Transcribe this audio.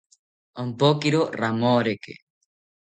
Ompokiro ramoreke